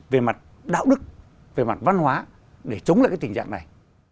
về mặt đạo đức về mặt văn hóa để chống lại cái tình trạng này